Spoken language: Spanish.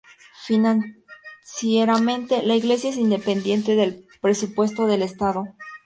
Financieramente, la Iglesia es independiente del presupuesto del Estado.